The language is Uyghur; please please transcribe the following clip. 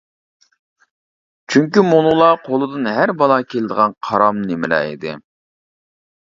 چۈنكى مۇنۇلار قولىدىن ھەر بالا كېلىدىغان قارام نېمىلەر ئىدى.